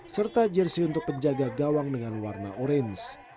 serta jersi untuk penjaga gawang dengan warna orange